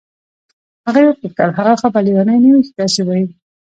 هغې وپوښتل هغه خو به لیونی نه وي چې داسې وایي.